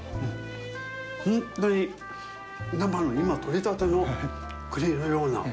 ほんとに生の、今、とれたての栗のような。